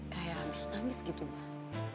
kayak abis abis gitu mah